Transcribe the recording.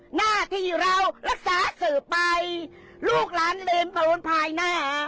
หน้าที่เรารักษาเสิร์ฟไปลูกหลานเล็มประวนภายหน้า